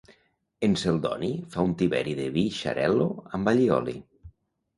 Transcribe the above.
En Celdoni fa un tiberi de vi xarel·lo amb allioli.